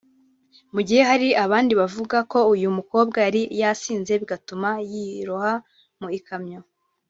mu gihe hari abandi bavuga ko uyu mukobwa yari yasinze bigatuma yiroha mu ikamyo